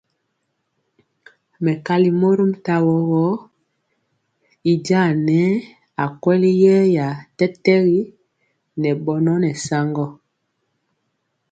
Mɛkali mɔrom tawo gɔ, y jaŋa nɛɛ akweli yeeya tɛtɛgi ŋɛ bɔnɔ nɛ saŋgɔ.